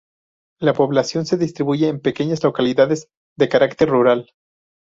La población se distribuye en pequeñas localidades de carácter rural.